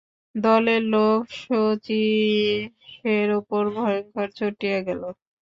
দলের লোক শচীশের উপর ভয়ংকর চটিয়া গেল।